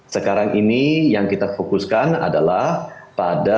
sekarang ini yang kita fokuskan adalah pada